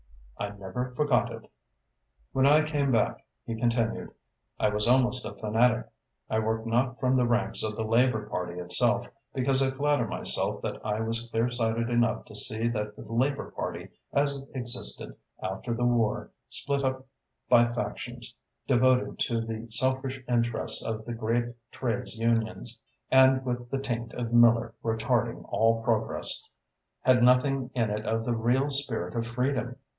"I never forget it." "When I came back," he continued, "I was almost a fanatic. I worked not from the ranks of the Labour Party itself, because I flatter myself that I was clear sighted enough to see that the Labour Party as it existed after the war, split up by factions, devoted to the selfish interests of the great trades unions and with the taint of Miller retarding all progress, had nothing in it of the real spirit of freedom.